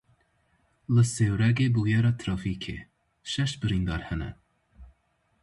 Li Sêwregê bûyera trafîkê, şeş birîndar hene.